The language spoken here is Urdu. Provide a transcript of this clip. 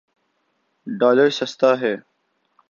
ڈالر سستا ہے۔